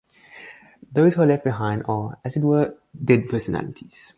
Those who are left behind are, as it were, dead personalities.